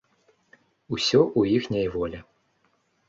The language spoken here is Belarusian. Усё ў іхняй волі.